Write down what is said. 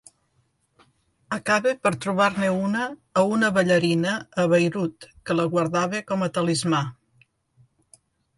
Acaba per trobar-ne una a una ballarina a Beirut que la guardava com a talismà.